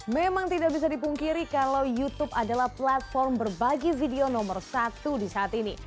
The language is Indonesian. memang tidak bisa dipungkiri kalau youtube adalah platform berbagi video nomor satu di saat ini